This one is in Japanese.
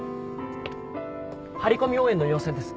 張り込み応援の要請です。